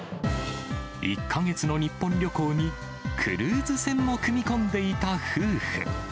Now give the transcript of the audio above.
１か月の日本旅行に、クルーズ船も組み込んでいた夫婦。